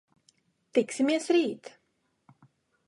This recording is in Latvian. Tiksimies rīt!